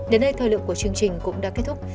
đến đây thời lượng của chương trình cũng đã kết thúc